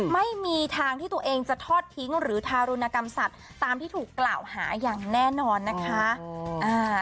ไม่มีทางที่ตัวเองจะทอดทิ้งหรือทารุณกรรมสัตว์ตามที่ถูกกล่าวหาอย่างแน่นอนนะคะ